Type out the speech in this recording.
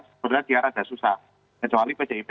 sebetulnya dia agak susah kecuali pjip